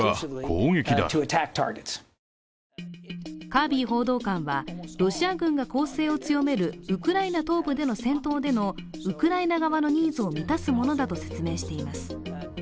カービー報道官は、ロシア軍が攻勢を強めるウクライナ東部での戦闘でのウクライナ側のニーズを満たすものだと説明しています。